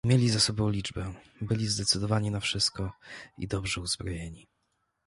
"Mieli za sobą liczbę, byli zdecydowani na wszystko i dobrze uzbrojeni."